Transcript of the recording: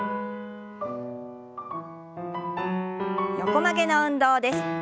横曲げの運動です。